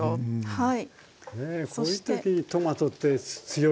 はい。